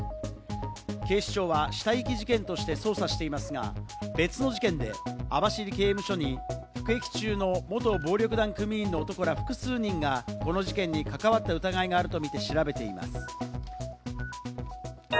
警視庁は死体遺棄事件として捜査していますが、別の事件で網走刑務所に服役中の元暴力団組員の男ら複数人がこの事件に関わった疑いがあるとみて調べています。